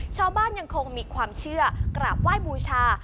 ยังคงมีความเชื่อกราบไหว้บูชา